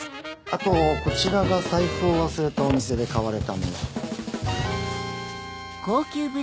あとこちらが財布を忘れたお店で買われた物。